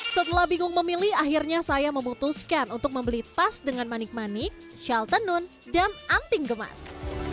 setelah bingung memilih akhirnya saya memutuskan untuk membeli tas dengan manik manik shal tenun dan anting gemas